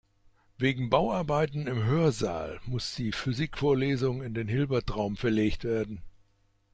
Wegen Bauarbeiten im Hörsaal muss die Physikvorlesung in den Hilbertraum verlegt werden.